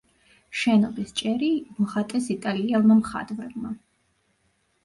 შენობის ჭერი მოხატეს იტალიელმა მხატვრებმა.